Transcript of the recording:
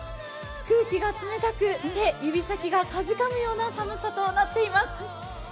空気が冷たく、手、指先がかじかむ寒さとなっています。